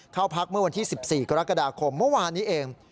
เข้าพักเมื่อวันที่๑๔กรกฎาคมเมื่อวานนี้เอง